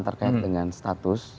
terkait dengan status